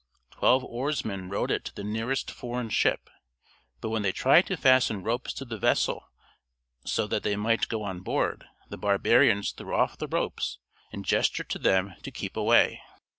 Twelve oarsmen rowed it to the nearest foreign ship, but when they tried to fasten ropes to the vessel so that they might go on board, the barbarians threw off the ropes, and gestured to them to keep away.